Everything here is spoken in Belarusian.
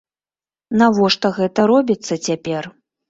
Навошта гэта робіцца цяпер?